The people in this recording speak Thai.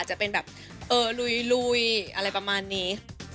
จะเป็นแบบเออลุยอะไรประมาณนี้